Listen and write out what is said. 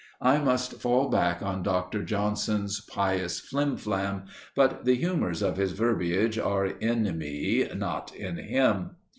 I must fall back on Dr. Johnson's pious flim flam, but the humours of his verbiage are in me, not in him.